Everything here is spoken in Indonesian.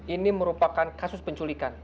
ini merupakan kasus penculikan